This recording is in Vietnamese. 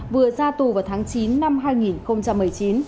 vừa ra tù vào tháng chín năm hai nghìn một mươi chín